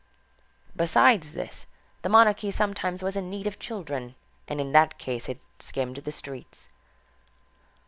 Besides this, the monarchy sometimes was in need of children, and in that case it skimmed the streets.